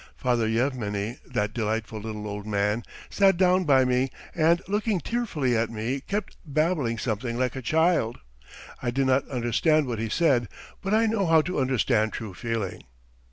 Father Yevmeny, that delightful little old man, sat down by me, and looking tearfully at me kept babbling something like a child. I did not understand what he said, but I know how to understand true feeling.